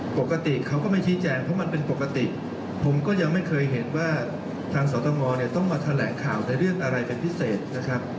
ปกติเขาก็ไม่ชี้แจงเพราะมันเป็นปกติผมก็ยังไม่เคยเห็นว่าทางสตงเนี่ยต้องมาแถลงข่าวในเรื่องอะไรเป็นพิเศษนะครับ